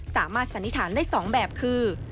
สามารถสันนิษฐานได้๒แบบคือ